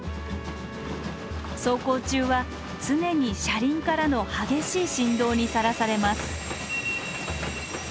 走行中は常に車輪からの激しい振動にさらされます